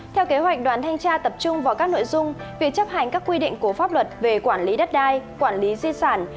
theo kế hoạch đoàn thanh tra tập trung vào các nội dung việc chấp hành các quy định của pháp luật về quản lý đất đai quản lý di sản